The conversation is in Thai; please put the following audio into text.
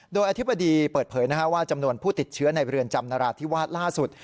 โดยอธิบดีเปิดเผยว่าจำนวนผู้ติดเชื้อในเรือนจำนราธิวาสล่าสุด